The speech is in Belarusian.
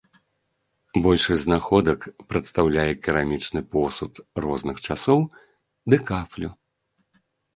Большасць знаходак прадстаўляе керамічны посуд розных часоў ды кафлю.